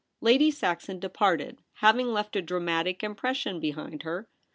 Lady Saxon departed, having left a dra matic Impression behind her.